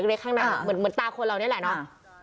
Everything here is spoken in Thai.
เล็กข้างในเหมือนตาคนเรานี่แหละเนาะ